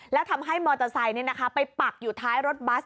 แล้วทำให้มอเตอร์ไซค์ไปปักอยู่ท้ายรถบัส